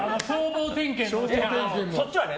そっちはね！